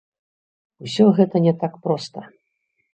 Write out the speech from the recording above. Усё гэта не так проста.